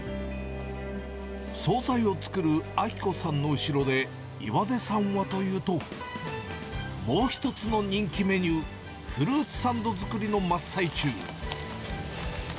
総菜を作る明子さんの後ろで岩出さんはというと、もう一つの人気メニュー、フルーツサンド作りの真っ最中。